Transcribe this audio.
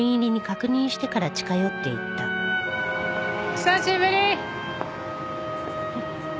久しぶり！